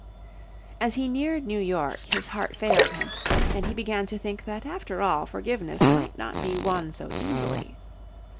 As he neared New York his heart failed him, and he began to think that after all forgiveness might not be won so easily.